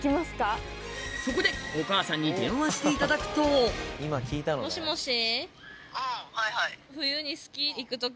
そこでお母さんに電話していただくともしもし？